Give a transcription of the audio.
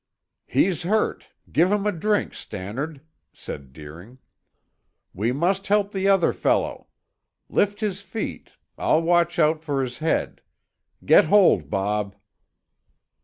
"He's hurt; give him a drink, Stannard," said Deering. "We must help the other fellow. Lift his feet; I'll watch out for his head. Get hold, Bob."